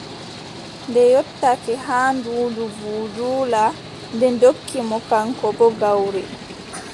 Nde yottake haa Duudu Budula, ɓe ndokki mo kaŋko boo gawri.